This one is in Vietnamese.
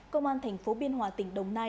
công an tp biên hòa tỉnh đồng nai